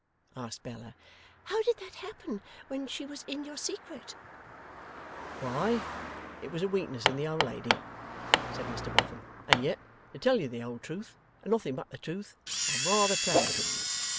asked Bella. 'How did that happen, when she was in your secret?' 'Why, it was a weakness in the old lady,' said Mr Boffin; 'and yet, to tell you the whole truth and nothing but the truth, I'm rather proud of it.